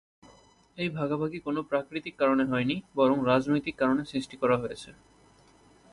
এই ভাগাভাগি কোনো প্রাকৃতিক কারণে হয়নি, বরং রাজনৈতিক কারণে সৃষ্টি করা হয়েছে।